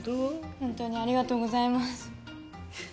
ほんとにありがとうございます。